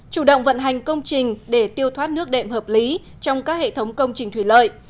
chủ động vận hành công trình để tiêu thoát nước đệm hợp lý trong các hệ thống công trình thủy lợi